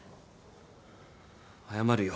謝るよ。